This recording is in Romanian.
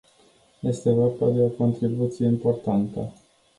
Este vorba de o contribuție importantă.